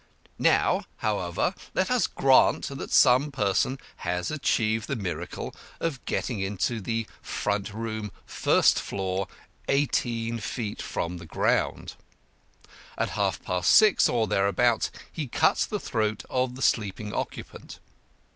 Now, however, let us grant that some person has achieved the miracle of getting into the front room, first floor, 18 feet from the ground. At half past six, or thereabouts, he cuts the throat of the sleeping occupant.